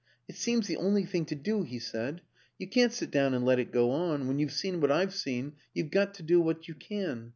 " It seems the only thing to do," he said. ' You can't sit down and let it go on ; when you've seen what I've seen, you've got to do what you can.